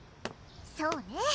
そうね